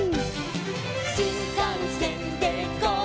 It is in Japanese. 「しんかんせんでゴー！